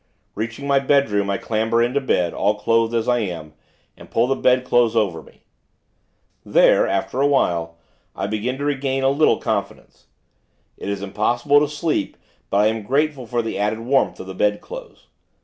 Reaching my bedroom, I clamber into bed, all clothed as I am, and pull the bedclothes over me. There, after awhile, I begin to regain a little confidence. It is impossible to sleep; but I am grateful for the added warmth of the bedclothes.